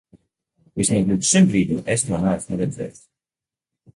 Vismaz līdz šim brīdim es to neesmu redzējis.